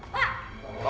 bawa dia pak